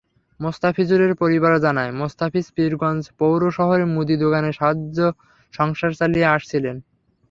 মোস্তাফিজুরের পরিবার জানায়, মোস্তাফিজ পীরগঞ্জ পৌর শহরে মুদি দোকানের সাহায্যে সংসার চালিয়ে আসছিলেন।